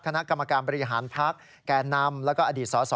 คณะกรรมการบริหารพักแก่นำแล้วก็อดีตสส